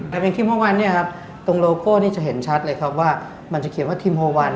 แต่เป็นทิมฮวันตรงโลโก้จะเห็นชัดเลยครับว่ามันจะเขียนว่าทิมฮวัน